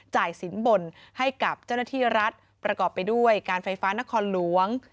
สินบนให้กับเจ้าหน้าที่รัฐประกอบไปด้วยการไฟฟ้านครหลวง